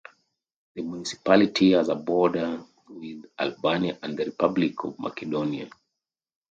The municipality has a border with Albania and the Republic of Macedonia.